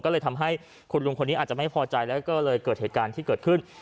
ก็เลยทำให้คุณลุงคนนี้อาจจะไม่พอใจแล้วก็เลยเกิดเหตุการณ์ที่เกิดขึ้น